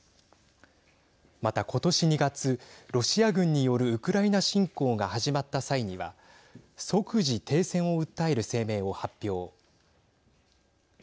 また、今年２月ロシア軍によるウクライナ侵攻が始まった際には即時停戦を訴える声明を発表。